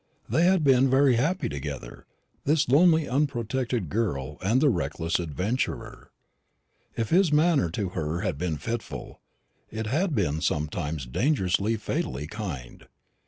They had been very happy together, this lonely unprotected girl and the reckless adventurer. If his manner to her had been fitful, it had been sometimes dangerously, fatally kind.